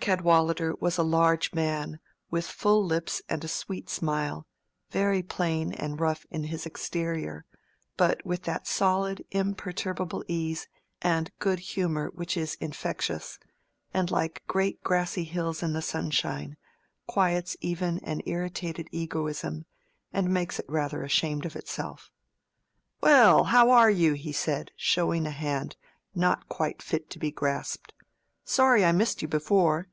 Cadwallader was a large man, with full lips and a sweet smile; very plain and rough in his exterior, but with that solid imperturbable ease and good humor which is infectious, and like great grassy hills in the sunshine, quiets even an irritated egoism, and makes it rather ashamed of itself. "Well, how are you?" he said, showing a hand not quite fit to be grasped. "Sorry I missed you before.